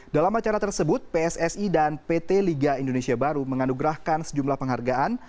dalam acara tersebut pssi dan pt liga indonesia baru menganugerahkan sejumlah penghargaan